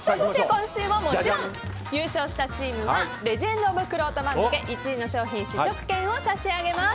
今週ももちろん優勝したチームはレジェンド・オブ・くろうと番付１位の商品試食券を差し上げます。